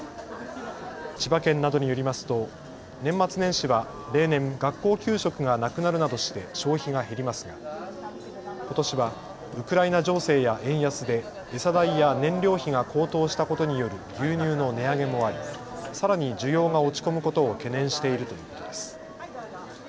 千葉県などによりますと年末年始は例年、学校給食がなくなるなどして消費が減りますがことしはウクライナ情勢や円安で餌代や燃料費が高騰したことによる牛乳の値上げもありさらに需要が落ち込むことを懸念しているということです。